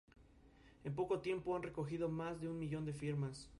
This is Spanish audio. En poco tiempo han recogido más de un millón de firmas.